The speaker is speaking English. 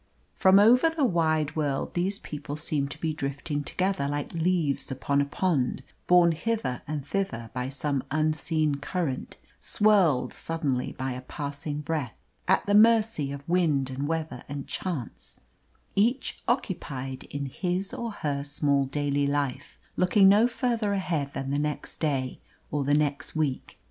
From over the wide world these people seemed to be drifting together like leaves upon a pond borne hither and thither by some unseen current, swirled suddenly by a passing breath at the mercy of wind and weather and chance, each occupied in his or her small daily life, looking no further ahead than the next day or the next week.